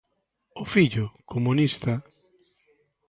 O fillo, comunista.